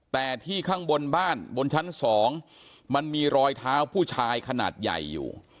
แต่ที่ข้างบนบ้านบนชั้น๒มันมีรอยเท้าผู้ชายขนาดใหญ่อยู่